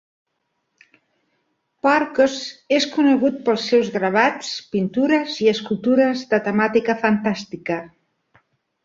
Parkes és conegut pels seus gravats, pintures i escultures de temàtica fantàstica.